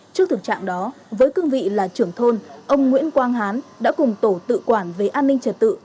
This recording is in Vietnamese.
trước thực trạng đó với cương vị là trưởng thôn ông nguyễn quang hán đã cùng tổ tự quản về an ninh trật tự